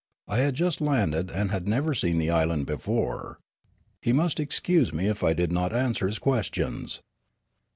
I had just landed and had never seen the island before. He must excuse me if I did not answer his questions.